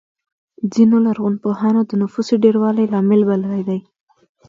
ځینو لرغونپوهانو د نفوسو ډېروالی لامل بللی دی.